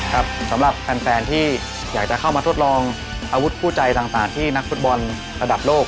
สำหรับแฟนที่อยากจะเข้ามาทดลองอาวุธคู่ใจต่างที่นักฟุตบอลระดับโลก